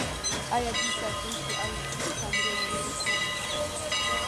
آیا دوی ساتونکي او کمرې نلري؟